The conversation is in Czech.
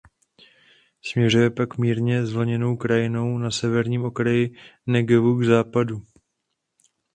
Směřuje pak mírně zvlněnou krajinou na severním okraji Negevu k západu.